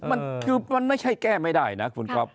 เออมันไม่ใช่แก้ไม่ได้นะคุณครอบ